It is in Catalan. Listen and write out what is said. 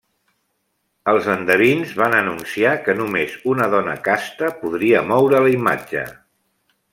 Els endevins van anunciar que només una dona casta podria moure la imatge.